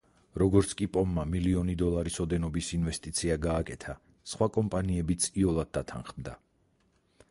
როგორც კი პომმა მილიონი დოლარის ოდენობის ინვესტიცია გააკეთა, სხვა კომპანიებიც იოლად დათანხმდა.